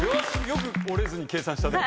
よく折れずに計算したね。